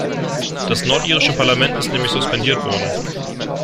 Das nordirische Parlament ist nämlich suspendiert worden.